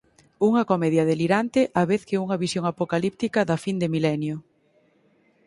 Unha comedia delirante á vez que unha visión apocalíptica da fin de milenio.